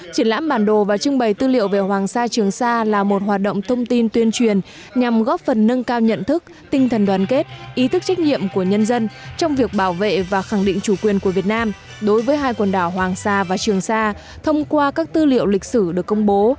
triển lãm bản đồ và trưng bày tư liệu về hoàng sa trường sa là một hoạt động thông tin tuyên truyền nhằm góp phần nâng cao nhận thức tinh thần đoàn kết ý thức trách nhiệm của nhân dân trong việc bảo vệ và khẳng định chủ quyền của việt nam đối với hai quần đảo hoàng sa và trường sa thông qua các tư liệu lịch sử được công bố